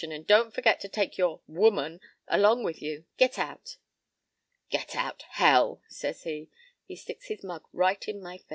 And don't forget to take your woman along with you. Get out!' "'Get out—hell!' says he. He sticks his mug right in my face.